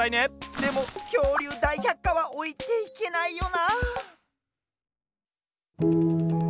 でも「きょうりゅうだいひゃっか」はおいていけないよな。